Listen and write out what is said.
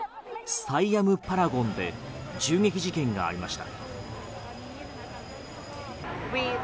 サイアム・パラゴンで銃撃事件がありました。